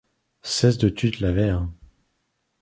C’esde tutte l’àvvaire.